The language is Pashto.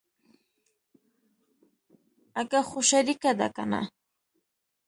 اگه خو شريکه ده کنه.